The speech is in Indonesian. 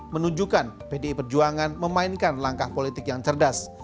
menunjukkan pdi perjuangan memainkan langkah politik yang cerdas